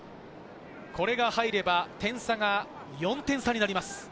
これが入れば点差が４点差になります。